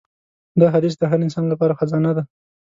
دا حدیث د هر انسان لپاره خزانه ده.